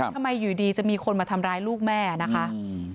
ทำไมอยู่ดีจะมีคนมาทำร้ายลูกแม่นะคะ